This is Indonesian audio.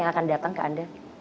yang akan datang ke anda